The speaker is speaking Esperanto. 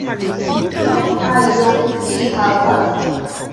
Kiun aĝon ŝi havas?